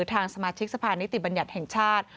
ทางสมาชิกสภานิติบัญญัติแห่งชาติ